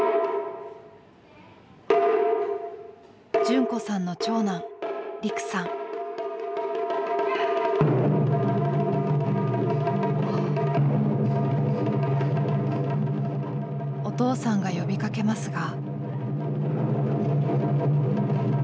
純子さんの長男お父さんが呼びかけますが。